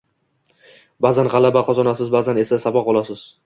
Ba’zan g’alaba qozonasiz, ba’zan esa saboq olasiz